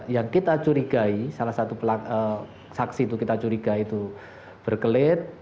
yang kita curigai salah satu saksi itu kita curiga itu berkelit